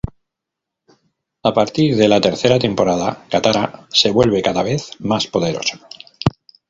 A partir de la tercera temporada, Katara se vuelve cada vez más poderosa.